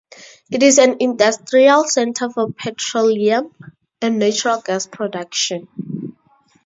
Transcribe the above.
It is an industrial center for petroleum and natural gas production.